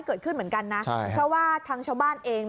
เกิดขึ้นเหมือนกันนะเพราะว่าทางชาวบ้านเอง